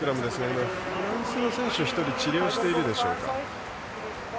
今、フランスの選手が１人治療しているでしょうか。